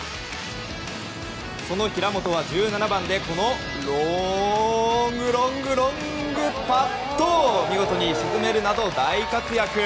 その平本は、１７番でこのロングパットを見事に沈めるなど大活躍。